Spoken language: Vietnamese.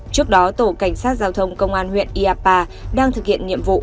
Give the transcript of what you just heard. trước đó tổ cảnh sát giao thông công an huyện iapa đang thực hiện nhiệm vụ